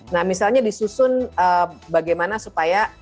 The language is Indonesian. nah misalnya disusun bagaimana supaya